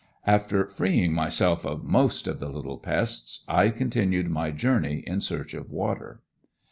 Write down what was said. After freeing myself of most of the little pests I continued my journey in search of water.